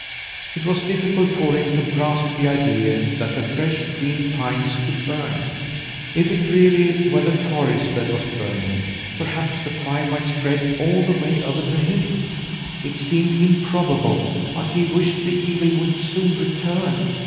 It was difficult for him to grasp the idea that the fresh, green pines could burn. If it really were the forest that was burning, perhaps the fire might spread all the way over to him. It seemed improbable; but he wished the eagle would soon return.